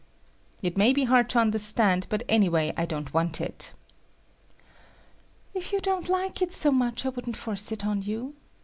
"It may be hard to understand, but anyway I don't want it." "If you don't like it so much, I wouldn't force it on you.